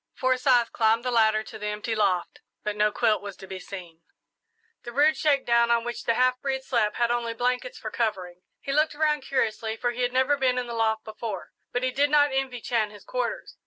Forsyth climbed the ladder to the empty loft, but no quilt was to be seen. The rude shakedown on which the half breed slept had only blankets for covering. He looked around curiously, for he had never been in the loft before, but he did not envy Chan his quarters.